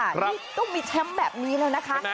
นี่ต้องมีแชมป์แบบนี้แล้วนะคะ